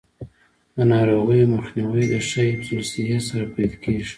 د ناروغیو مخنیوی د ښه حفظ الصحې سره پیل کیږي.